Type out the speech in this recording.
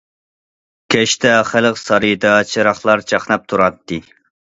كەچتە خەلق سارىيىدا چىراغلار چاقناپ تۇراتتى.